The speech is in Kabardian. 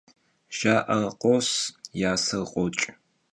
Jja'er khos, yaser khoç'.